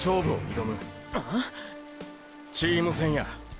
っ⁉チーム戦や。